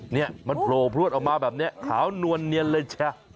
เนี่ยมันโปรดออกมาแบบเนี่ยขาวนวลเนียนเลยจ้ะ